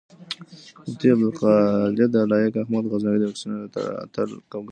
مفتي ابوخالد لائق احمد غزنوي د واکسينو د اتَل لقب ګټلی